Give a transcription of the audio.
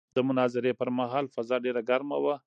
د مناظرې پر مهال فضا ډېره ګرمه وه.